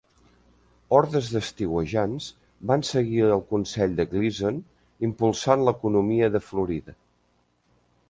Hordes d'estiuejants van seguir el consell de Gleason, impulsant l'economia de Florida.